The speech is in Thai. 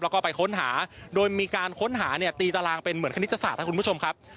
แล้วก็ไปค้นหาโดยมีการค้นหาเนี่ยตีตารางเป็นเหมือนคณิตศาสตร์ครับคุณผู้ชมครับ